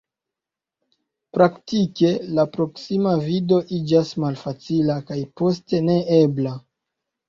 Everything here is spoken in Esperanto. Praktike, la proksima vido iĝas malfacila, kaj poste neebla.